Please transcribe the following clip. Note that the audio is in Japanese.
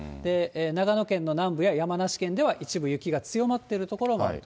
長野県の南部や山梨県では一部、雪が強まっている所もあると。